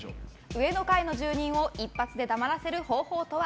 上の階の住人を一発で黙らせる方法とは？